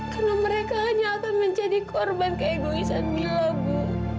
karena mereka hanya akan menjadi korban ke egoisan mila ibu